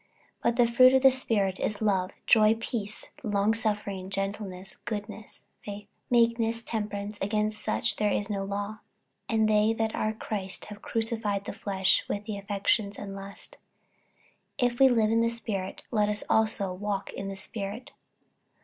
48:005:022 But the fruit of the Spirit is love, joy, peace, longsuffering, gentleness, goodness, faith, 48:005:023 Meekness, temperance: against such there is no law. 48:005:024 And they that are Christ's have crucified the flesh with the affections and lusts. 48:005:025 If we live in the Spirit, let us also walk in the Spirit.